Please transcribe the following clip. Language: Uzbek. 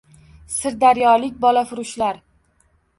Sirdaryolik bolafurishlar